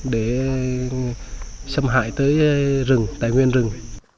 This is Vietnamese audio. để xâm hại tới rừng tài nguyên rừng